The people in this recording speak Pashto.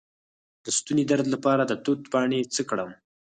د ستوني درد لپاره د توت پاڼې څه کړم؟